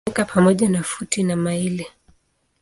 Inatumika pamoja na futi na maili.